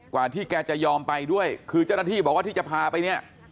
กว่าที่แกจะยอมไปด้วยคือเจ้าหน้าที่บอกว่าที่จะพาไปเนี่ย